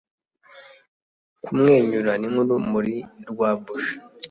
kumwenyura ni nk'urumuri rwa buji